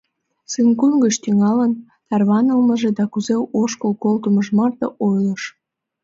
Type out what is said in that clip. Сын-кун гыч тӱҥалын, тарванылмыже да кузе ошкыл колтымыж марте ойлыш.